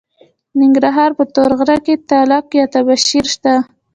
د ننګرهار په تور غره کې تالک یا تباشیر شته.